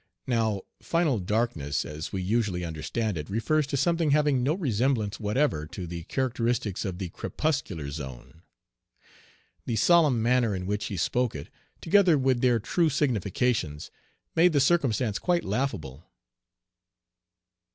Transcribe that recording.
Now "final darkness," as we usually understand it, refers to something having no resemblance whatever to the characteristics of the crepuscular zone. The solemn manner in which he spoke it, together with their true significations, made the circumstance quite laughable.